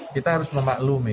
kita harus memaklumi